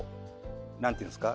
何ていうんですか？